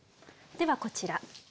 ではこちら。